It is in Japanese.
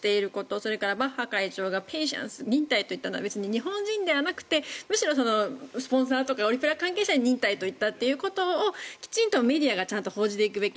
それからバッハ会長が忍耐といったのは別に日本人ではなくてむしろスポンサーとかオリ・パラ関係者に忍耐と言ったということをきちんとメディアがちゃんと報じていくべき